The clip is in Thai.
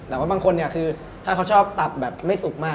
แต่ว่าบางคนเนี่ยคือถ้าเขาชอบตับแบบไม่สุกมาก